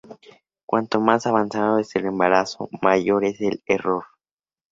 Cuanto más avanzado es el embarazo, mayor es el error.